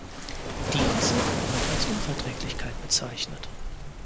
Diese wird als Unverträglichkeit bezeichnet.